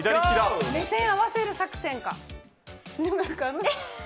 目線合わせる作戦か。